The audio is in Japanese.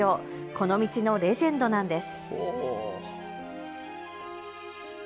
この道のレジェンドなんです。